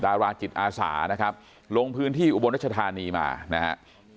ดาราจิตอาสานะครับลงพื้นที่อุบลรัชธานีมานะฮะ